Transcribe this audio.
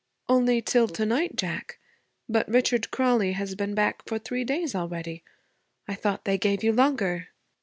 'Only till to night, Jack? But Richard Crawley has been back for three days already. I thought they gave you longer?'